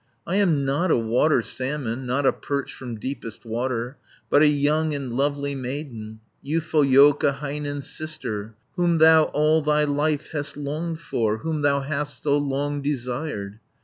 "I am not a water salmon, Not a perch from deepest water, But a young and lovely maiden, Youthful Joukahainen's sister, Whom thou all thy life hast longed for, Whom thou hast so long desired.